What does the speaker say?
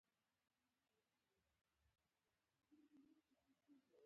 هره ورځ دا کوم